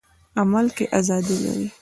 عمل کې ازادي لري.